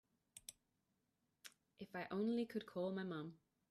If I only could call my mom.